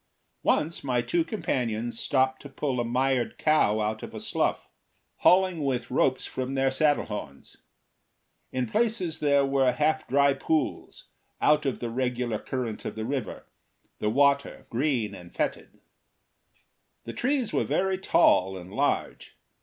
Once my two companions stopped to pull a mired cow out of a slough, hauling with ropes from their saddle horns. In places there were half dry pools, out of the regular current of the river, the water green and fetid. The trees were very tall and large.